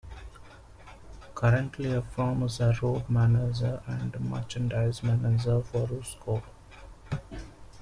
Currently, Efrem is the road manager and merchandise manager for Rusko.